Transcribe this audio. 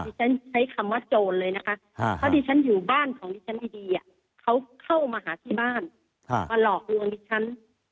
ฉันใช้คำว่าโจรเลยนะคะเพราะดิฉันอยู่บ้านของดิฉันดีเขาเข้ามาหาที่บ้านมาหลอกลวงดิฉัน